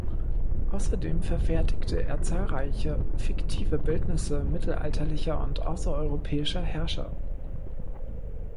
Außerdem verfertigte er zahlreiche fiktive Bildnisse mittelalterlicher und außereuropäischer Herrscher.